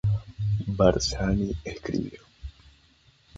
Barzani escribió.